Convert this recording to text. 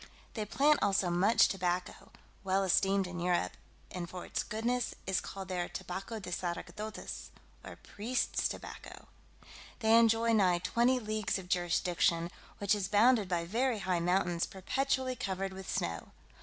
They plant also much tobacco, well esteemed in Europe, and for its goodness is called there tobacco de sacerdotes, or priest's tobacco. They enjoy nigh twenty leagues of jurisdiction, which is bounded by very high mountains perpetually covered with snow.